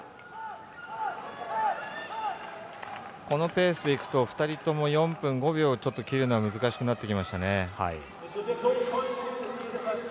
このペースでいくと２人とも４分５秒切るのは難しくなってきましたね。